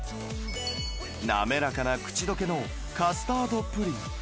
滑らかな口どけのカスタードプリン